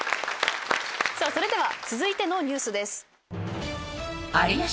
さぁそれでは続いてのニュースです。